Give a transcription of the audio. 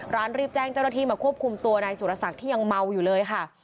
รีบแจ้งเจ้าหน้าที่มาควบคุมตัวนายสุรศักดิ์ที่ยังเมาอยู่เลยค่ะ